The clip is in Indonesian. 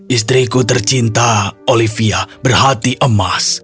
istriku tercinta olivia berhati emas